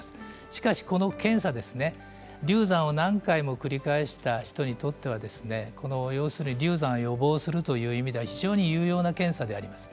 しかし、この検査流産を何回も繰り返した人にとっては流産を予防するという意味では非常に有用な検査であります。